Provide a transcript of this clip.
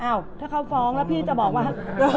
ถ้าเขาฟ้องแล้วพี่จะบอกว่า